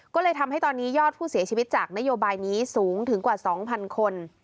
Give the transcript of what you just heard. ก็เลยทำให้ตอนนี้ยอดผู้เสียชีวิตจากนโยบายนี้สูงถึงกว่า๒๐๐คน